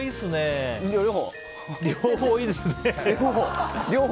両方いいですね。